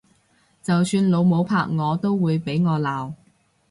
就算老母拍我都會俾我鬧！